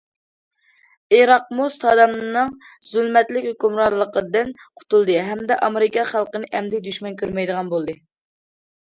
ئىراقمۇ سادامنىڭ زۇلمەتلىك ھۆكۈمرانلىقىدىن قۇتۇلدى ھەمدە ئامېرىكا خەلقىنى ئەمدى دۈشمەن كۆرمەيدىغان بولدى.